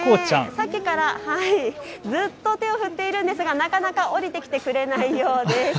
さっきからずっと手を振っているんですがなかなか下りてきてくれないようです。